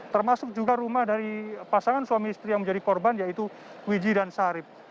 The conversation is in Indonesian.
termasuk juga rumah dari pasangan suami istri yang menjadi korban yaitu wiji dan sarip